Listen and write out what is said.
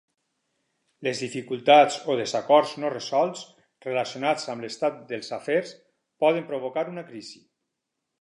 Les dificultats o desacords no resolts relacionats amb l'estat dels afers poden provocar una crisi.